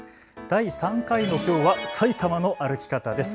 第３回のきょうは埼玉の歩き方です。